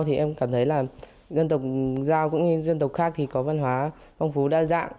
thì em cảm thấy là dân tộc giao cũng như dân tộc khác thì có văn hóa phong phú đa dạng